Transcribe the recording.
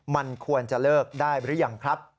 มันควรจะเลิกได้หรือยังครับ